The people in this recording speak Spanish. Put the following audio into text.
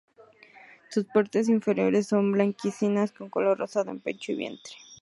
Sus partes inferiores son blanquecinas, con tonos rosados en pecho y vientre.